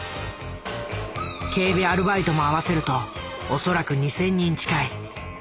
警備アルバイトも合わせるとおそらく２，０００人近い。